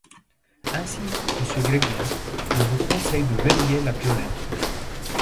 Ainsi, monsieur Grégoire, je vous conseille de verrouiller la Piolaine.